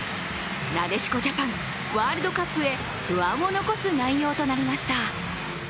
なでしこジャパン、ワールドカップへ不安を残す内容となりました。